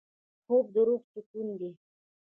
خوب د روح سکون دی